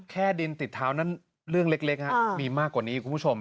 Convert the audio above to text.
แค่ดินติดเท้านั้นเรื่องเล็กมีมากกว่านี้คุณผู้ชม